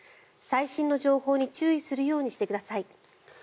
最新の情報に注意するようにしてください。